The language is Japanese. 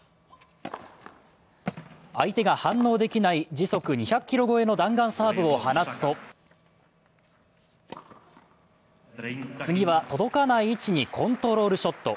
相手が反応できない時速２００キロ超えの弾丸サーブを放つと次は、届かない位置にコントロールショット。